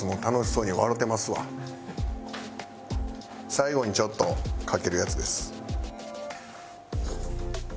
最後にちょっとかけるやつです。